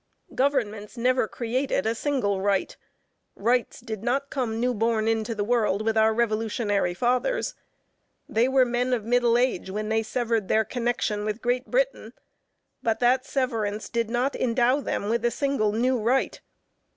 Governments never created a single right; rights did not come new born into the world with our revolutionary fathers. They were men of middle age when they severed their connexion with Great Britain, but that severance did not endow them with a single new right.